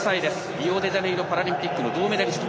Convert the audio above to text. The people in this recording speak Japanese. リオデジャネイロパラリンピックの銅メダリスト。